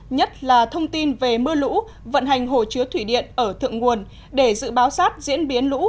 nhất là thông tin về mưa lũ vận hành hồ chứa thủy điện ở thượng nguồn để dự báo sát diễn biến lũ